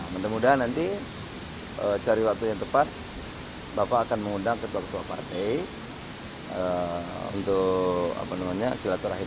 mudah mudahan nanti cari waktu yang tepat bapak akan mengundang ketua ketua partai untuk silaturahim